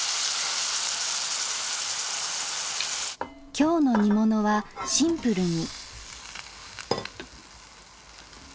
今日の煮物はシンプルに。